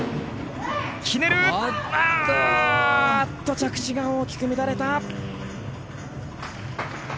着地が大きく乱れた。